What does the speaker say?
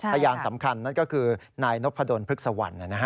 พยานสำคัญนั่นก็คือนายนพดลพฤกษวรรณ